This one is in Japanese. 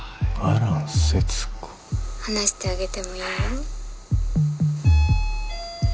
話してあげてもいいよ。